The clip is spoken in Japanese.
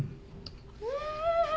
うん！